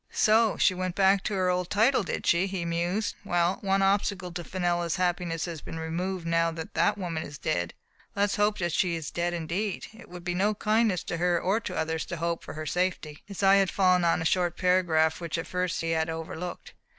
"So she went back to her old title, did she?" he mused. "Well, one obstacle to Fenella's happiness has been removed now that that woman is dead. Let us hope that she is dead indeed. It would be no kindness to her or to others to hope for her safety." His eye had fallen on a short paragraph, which at first he had overlooked.